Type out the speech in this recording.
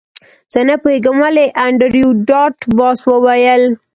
زه نه پوهیږم ولې انډریو ډاټ باس وویل